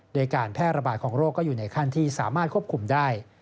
โดยการแพร่ระบาดของโรคก็อยู่ในขั้นที่สามารถควบคุมได้